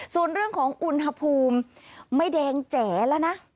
ส่วนเรื่องของอุณหภูมิไม่แดงแจ๋แล้วนะ